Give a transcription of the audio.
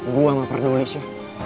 gue ga perdulis ya